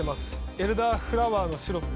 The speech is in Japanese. エルダーフラワーのシロップ